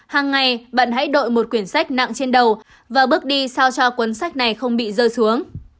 hàng ngày bạn hãy đội một quyển sách nặng trên đầu và bước đi sao cho cuốn sách này không bị rơi xuống